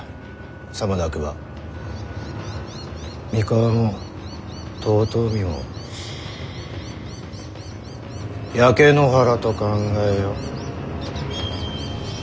さもなくば三河も遠江も焼け野原と考えよ。